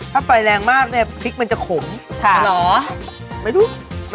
ถ้าไฟแรงมากเนี่ยพริกมันจะขม